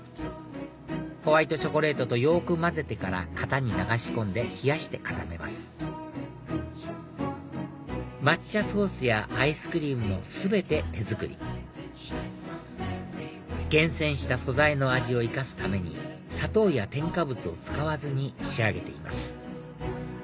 ホワイトチョコレートとよく混ぜてから型に流し込んで冷やして固めます抹茶ソースやアイスクリームも全て手作り厳選した素材の味を生かすために砂糖や添加物を使わずに仕上げています